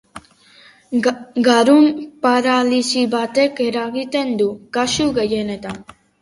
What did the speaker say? Garun paralisi batek eragiten du kasu gehienetan.